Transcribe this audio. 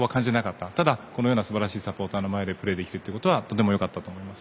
ただ、このようなすばらしいサポーターの前でプレーできるのはとてもよかったと思います。